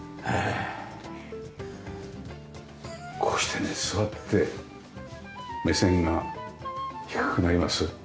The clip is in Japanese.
こうしてね座って目線が低くなります。